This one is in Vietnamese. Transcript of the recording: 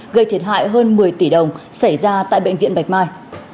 gây thiệt hại hơn một mươi tỷ đồng xảy ra tại bệnh viện bạch mai